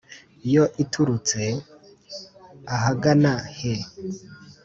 yo iturutse ahagana he’”